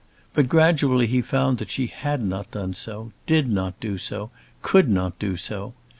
But gradually he found that she had not done so, did not do so, could not do so!